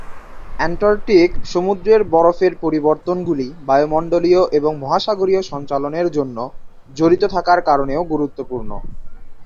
Antarctic সমুদ্রের বরফের পরিবর্তনগুলি বায়ুমণ্ডলীয় এবং মহাসাগরীয় সঞ্চালনের জন্য জড়িত থাকার কারণেও গুরুত্বপূর্ণ।